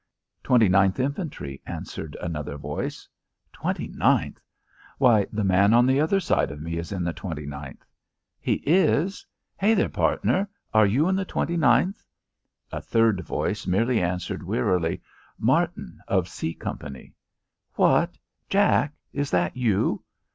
"Twenty ninth Infantry," answered another voice. "Twenty ninth! Why, the man on the other side of me is in the Twenty ninth." "He is?... Hey, there, partner, are you in the Twenty ninth?" A third voice merely answered wearily. "Martin of C Company." "What? Jack, is that you?"